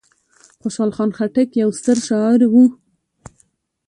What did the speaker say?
خوشحال خان خټک یو ستر شاعر و.